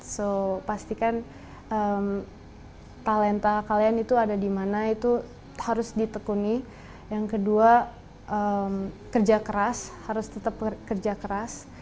so pastikan talenta kalian itu ada di mana itu harus ditekuni yang kedua kerja keras harus tetap kerja keras